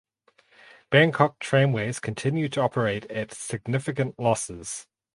Bangkok Tramways continued to operate at significant losses.